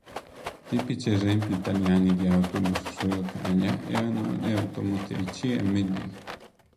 Tipici esempi italiani di autobus su rotaia erano le automotrici Md.